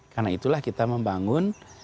karena itulah kita membangun